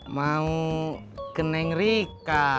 mau ke nengrika